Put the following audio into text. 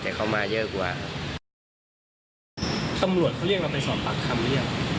แต่เขามาเยอะกว่าตำรวจเขาเรียกเราไปสอบปากคำหรือยัง